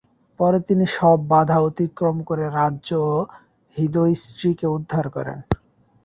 পরে তিনি সব বাধা অতিক্রম করে রাজ্য ও হৃত স্ত্রীকে উদ্ধার করেন।